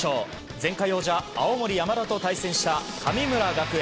前回王者、青森山田と対戦した神村学園。